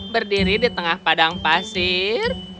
berdiri di tengah padang pasir